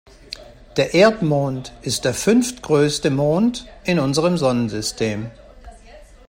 Der Erdmond ist der fünftgrößte Mond in unserem Sonnensystem.